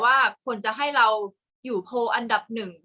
กากตัวทำอะไรบ้างอยู่ตรงนี้คนเดียว